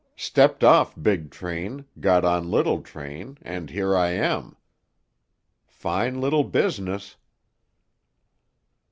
Stepped off big train, got on little train, and here I am. Fine little business."